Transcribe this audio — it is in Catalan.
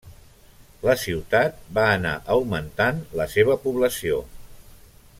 La ciutat va anar augmentant la seva població.